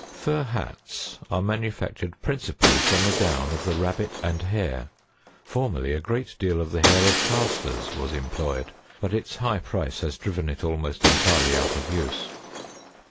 77. Fur hats are manufactured principally from the down of the Rabbit and Hare; formerly a great deal of the hair of Cas tors was employed, but its high price has driven it almost entirely out of use.